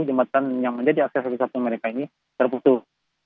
jembatan yang menjadi akses satu satu mereka ini terputus